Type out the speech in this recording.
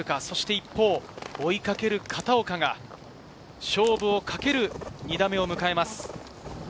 一方、追いかける片岡が勝負をかける２打目を迎えます。